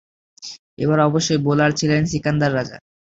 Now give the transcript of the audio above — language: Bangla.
এবার অবশ্য বোলার ছিলেন সিকান্দার রাজা।